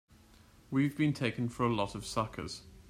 We've been taken for a lot of suckers!